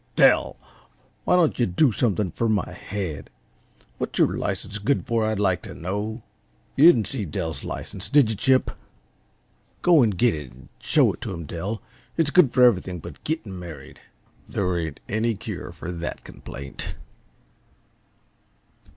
Dell, why don't yuh do something fer my head? What's your license good f er, I'd like t' know? You didn't see Dell's license, did yuh, Chip? Go and get it an' show it to him, Dell. It's good fer everything but gitting married there ain't any cure for that complaint." CHAPTER VII.